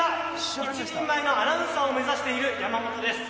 一人前のアナウンサーを目指している、山本です。